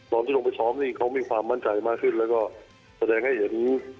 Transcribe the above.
ที่ลงไปซ้อมนี่เขามีความมั่นใจมากขึ้นแล้วก็แสดงให้เห็น